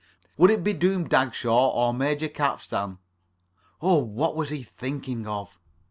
Would it be Doom Dagshaw or Major Capstan? Oh, what was he thinking of?